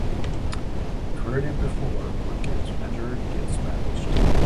You’ve heard it before: What gets measured gets managed.